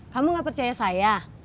kamu gak percaya saya